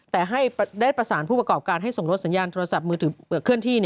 แต่ให้ได้ประสานผู้ประกอบการให้ส่งรถสัญญาณโทรศัพท์มือถือเคลื่อนที่